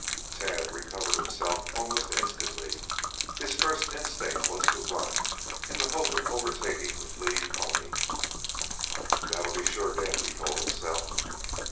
Tad recovered himself almost instantly. His first instinct was to run, in the hope of overtaking the fleeing pony. "That'll be sure death," he told himself.